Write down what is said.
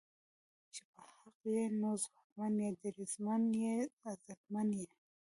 چې په حق ئې نو ځواکمن یې، دریځمن یې، عزتمن یې